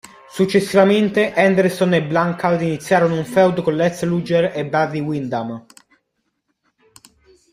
Successivamente, Anderson e Blanchard iniziarono un feud con Lex Luger e Barry Windham.